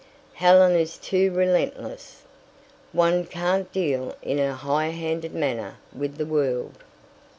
Helen is too relentless. One can't deal in her high handed manner with the world."